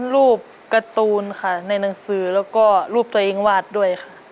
รูปการ์ตูนค่ะในหนังสือแล้วก็รูปตัวเองวาดด้วยค่ะ